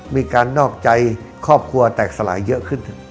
มีการนอกใจครอบครัวแตกสลายเยอะขึ้น